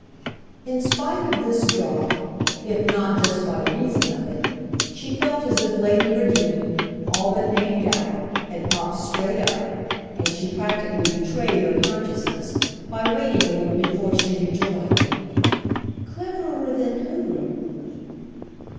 In spite of this drop, if not just by reason of it, she felt as if Lady Bradeen, all but named out, had popped straight up; and she practically betrayed her consciousness by waiting a little before she rejoined: "Cleverer than who?"